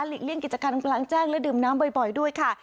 เลี่ยงกิจการกลางแจ้งและดื่มน้ำบ่อยด้วยค่ะ